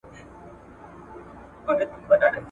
که انلاین زده کړه پراخه وي، فرصتونه محدود نه پاته کيږي.